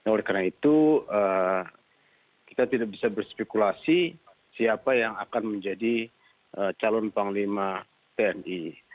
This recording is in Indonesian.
oleh karena itu kita tidak bisa berspekulasi siapa yang akan menjadi calon panglima tni